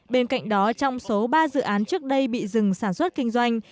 bên cạnh đó trong số ba dự án trước đây bị dừng sản xuất kinh doanh